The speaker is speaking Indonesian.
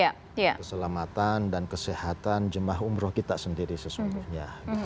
keselamatan dan kesehatan jemaah umroh kita sendiri sesungguhnya